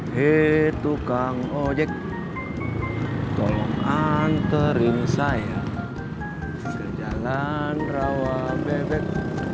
hei tukang ojek tolong anterin saya ke jalan rawa bebek